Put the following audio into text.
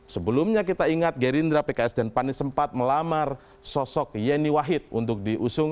sebelumnya kita ingat gerindra pks dan pan sempat melamar sosok yeni wahid untuk diusung